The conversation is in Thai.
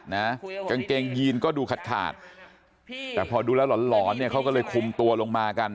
กางเกงยีนก็ดูขาดแต่พอดูแล้วหลอนเขาก็เลยคุมตัวลงมากัน